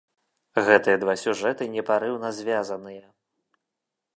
Гэтыя два сюжэты непарыўна звязаныя.